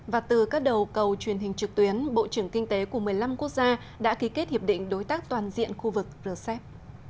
và từ các đầu cầu truyền hình trực tuyến bộ trưởng kinh tế của một mươi năm quốc gia đã ký kết hiệp định đối tác toàn diện khu vực rcep